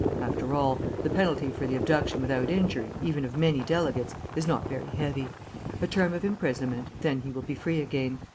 After all, the penalty for the abduction without injury, even of many delegates, is not very heavy. A term of imprisonment, then he will be free again.